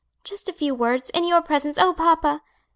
just a few words in your presence oh, papa!"